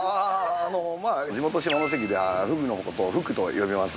◆まあ地元、下関ではふぐのことを「ふく」と呼びます。